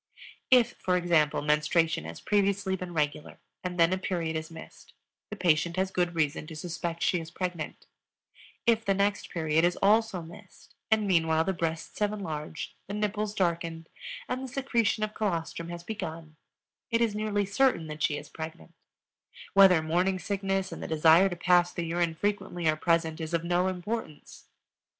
_If, for example, menstruation has previously been regular and then a period is missed, the patient has good reason to suspect she is pregnant; if the next period is also missed and meanwhile the breasts have enlarged, the nipples darkened, and the secretion of colostrum has begun, it is nearly certain that she is pregnant; whether morning sickness and the desire to pass the urine frequently are present is of no importance.